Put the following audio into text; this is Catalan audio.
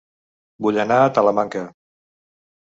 Vull anar a Talamanca